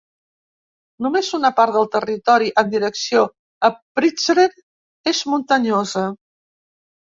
Només una part del territori en direcció a Prizren és muntanyosa.